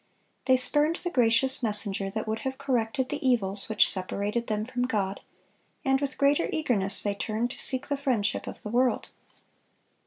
They spurned the gracious messenger that would have corrected the evils which separated them from God, and with greater eagerness they turned to seek the friendship of the world.